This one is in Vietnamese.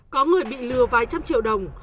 có người bị lừa vài trăm triệu đồng